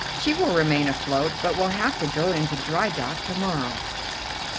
She will remain afloat, but will have to go into dry dock to morrow."